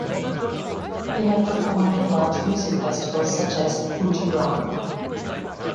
They have performed at large music festivals such as Fuji Rock.